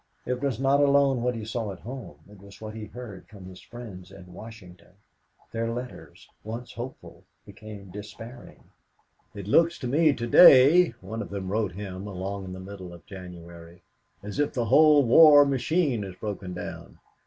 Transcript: It was not alone what he saw at home; it was what he heard from his friends in Washington. Their letters, once hopeful, became despairing. "It looks to me to day," one of them wrote him along in the middle of January, "as if the whole war machine had broken down.